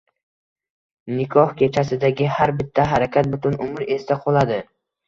Nikoh kechasidagi har bitta harakat butun umr esda qoladi.